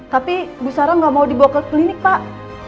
tapi bu sarah nggak mau dibawa ke klinik pak